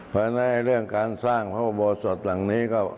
เพราะฉะนั้นเรื่องการสร้างพระอุโบสถหลังนี้ก็